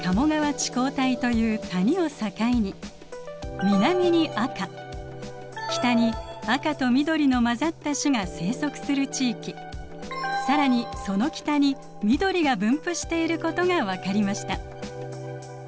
地溝帯という谷を境に南に赤北に赤と緑の混ざった種が生息する地域更にその北に緑が分布していることが分かりました。